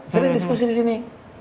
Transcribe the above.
sering diskusi disini